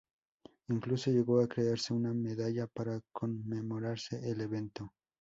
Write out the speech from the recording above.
Incluso, llegó a crearse una medalla para conmemorarse el evento.